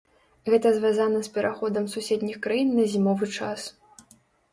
Гэта звязана з пераходам суседніх краін на зімовы час.